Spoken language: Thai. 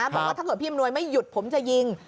บอกว่าถ้าเกิดพี่อำนวยไม่หยุดผมจะยิง